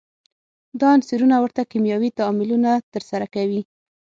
دا عنصرونه ورته کیمیاوي تعاملونه ترسره کوي.